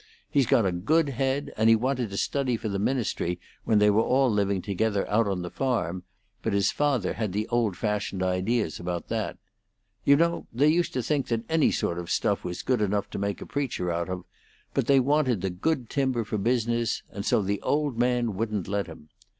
He's got a good head, and he wanted to study for the ministry when they were all living together out on the farm; but his father had the old fashioned ideas about that. You know they used to think that any sort of stuff was good enough to make a preacher out of; but they wanted the good timber for business; and so the old man wouldn't let him.